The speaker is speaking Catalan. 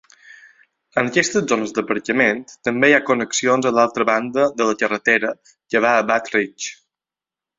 En aquestes zones d'aparcament també hi ha connexions a l'altra banda de la carretera que va a Bad Ridge.